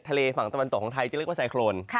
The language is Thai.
ฝั่งตะวันตกของไทยจะเรียกว่าไซโครน